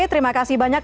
terima kasih banyak